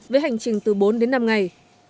với hành trình từ bốn đến năm ngày